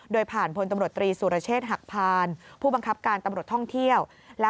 โดยผ่านพลตำรวจตรีสุรเชษฐ์หักพานผู้บังคับการตำรวจท่องเที่ยว